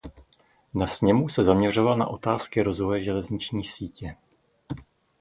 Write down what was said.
Na sněmu se zaměřoval na otázky rozvoje železniční sítě.